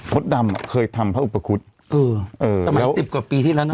ดำอ่ะเคยทำพระอุปคุฎเออเออสมัยสิบกว่าปีที่แล้วนะ